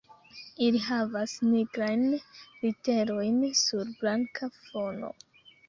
Ili havas nigrajn literojn sur blanka fono.